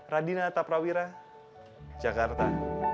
radina ataprawira jakarta